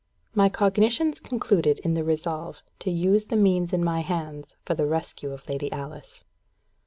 My cognitions concluded in the resolve to use the means in my hands for the rescue of Lady Alice.